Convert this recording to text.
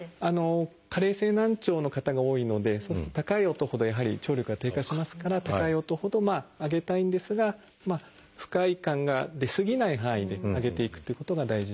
加齢性難聴の方が多いのでそうすると高い音ほどやはり聴力が低下しますから高い音ほど上げたいんですが不快感が出過ぎない範囲で上げていくということが大事ですね。